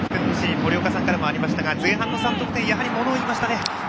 森岡さんからもありましたが前半の３得点がやはり、ものをいいましたね。